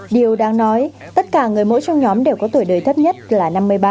điều đáng nói tất cả người mẫu trong nhóm đều có tuổi đời thấp nhất là năm mươi ba